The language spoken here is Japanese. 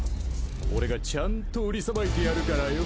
俺がちゃんと売りさばいてやるからよ。